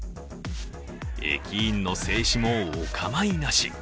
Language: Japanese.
駅員の制止もお構いなし。